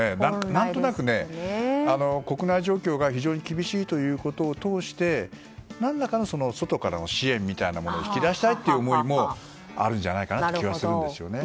何となく、国内状況が非常に厳しいということを通して何らかの外からの支援みたいなものを引き出したいという思いもあるんじゃないかなっていう気はしますね。